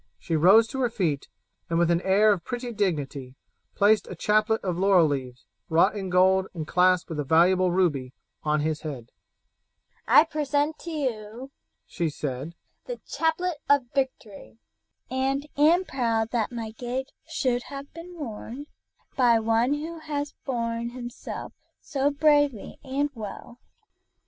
She rose to her feet, and with an air of pretty dignity, placed a chaplet of laurel leaves, wrought in gold and clasped with a valuable ruby, on his head. "I present to you," she said, "the chaplet of victory, and am proud that my gage should have been worn by one who has borne himself so bravely and well.